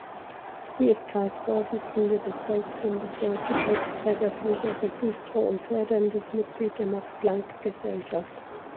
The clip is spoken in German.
Sie ist Kreisvorsitzende des Volksbundes Deutsche Kriegsgräberfürsorge Güstrow und förderndes Mitglied der Max-Planck-Gesellschaft.